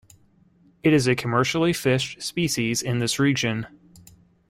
It is a commercially fished species in this region.